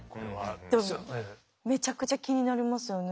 でもめちゃくちゃ気になりますよね。